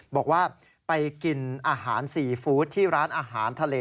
บอกว่าไปกินอาหารซีฟู้ดที่ร้านอาหารทะเล